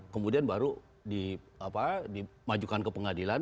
kemudian baru dimajukan ke pengadilan